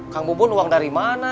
kang bubun uang dari mana